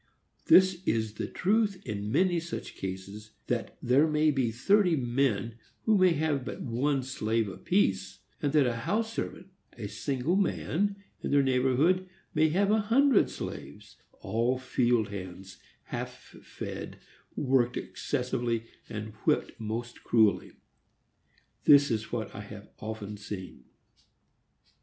This is the truth in many such cases, that while there may be thirty men who may have but one slave apiece, and that a house servant, a single man in their neighborhood may have a hundred slaves,—all field hands, half fed, worked excessively, and whipped most cruelly. This is what I have often seen.